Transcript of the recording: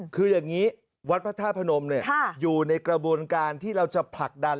คืออย่างนี้วัดพระธาตุพนมอยู่ในกระบวนการที่เราจะผลักดัน